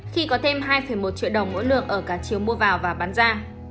khi có thêm hai một triệu đồng mỗi lượng ở cả chiều mua vào và bán ra